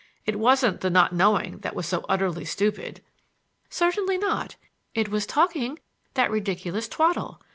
It wasn't the not knowing that was so utterly stupid—" "Certainly not! It was talking that ridiculous twaddle.